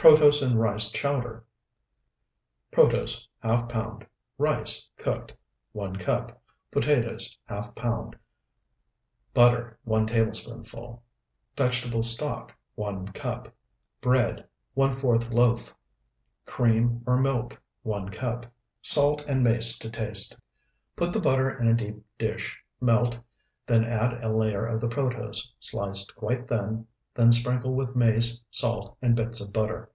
PROTOSE AND RICE CHOWDER Protose, ½ pound. Rice, cooked, 1 cup. Potatoes, ½ pound. Butter, 1 tablespoonful. Vegetable stock, 1 cup. Bread, ¼ loaf. Cream, or milk, 1 cup. Salt and mace to taste. Put the butter in a deep dish, melt, then add a layer of the protose, sliced quite thin, then sprinkle with mace, salt, and bits of butter.